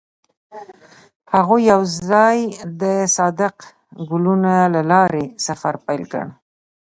هغوی یوځای د صادق ګلونه له لارې سفر پیل کړ.